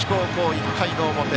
１回の表。